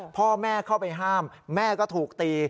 พ่อแม่เข้าไปห้ามแม่ก็ถูกตี